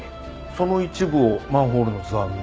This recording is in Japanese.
その一部をマンホールの図案に。